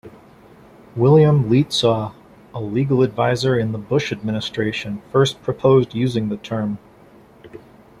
William Lietzau, a legal advisor in the Bush administration first proposed using the term.